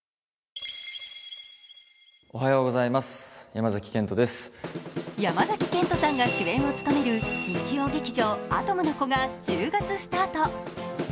山崎賢人さんが主演を務める日曜劇場「アトムの童」が１０月スタート。